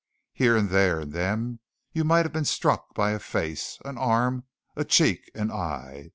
Here and there in them you might have been struck by a face an arm, a cheek, an eye.